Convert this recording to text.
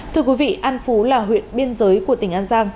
thưa quý vị an phú là huyện biên giới của tỉnh an giang